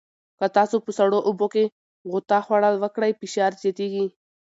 که تاسو په سړو اوبو کې غوطه خوړل وکړئ، فشار زیاتېږي.